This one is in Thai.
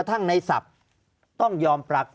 ภารกิจสรรค์ภารกิจสรรค์